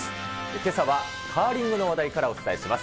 けさは、カーリングの話題からお伝えします。